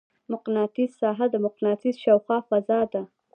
مقناطیسي ساحه د مقناطیس شاوخوا فضا ده.